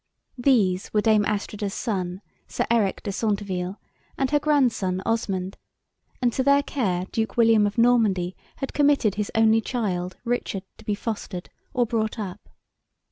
These were Dame Astrida's son, Sir Eric de Centeville, and her grandson, Osmond; and to their care Duke William of Normandy had committed his only child, Richard, to be fostered, or brought up.